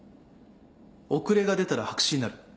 遅れが出たら白紙になる。